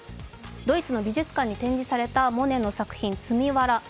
ドイツの美術館に展示されたモネの作品「積みわら」。